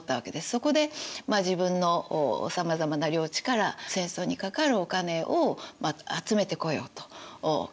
そこで自分のさまざまな領地から戦争にかかるお金を集めてこようと考えた。